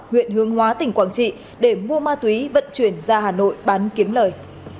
huyện hướng hóa tỉnh quảng trị để mua ma túy vận chuyển ra hà nội bán kiếm lời